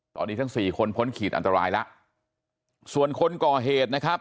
ตอนนี้ทั้งสี่คนพ้นขีดอันตรายแล้วส่วนคนก่อเหตุนะครับ